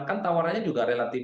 kan tawarannya juga relatif